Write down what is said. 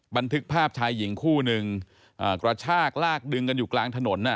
บันทึกภาพชายหญิงคู่นึงกระชากลากดึงกันอยู่กลางถนน